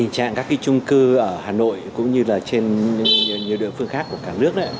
tình trạng các trung cư ở hà nội cũng như là trên địa phương khác của cả nước